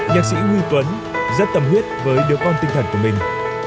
nhạc sĩ huy tuấn rất tâm huyết với đứa con tinh thần của mình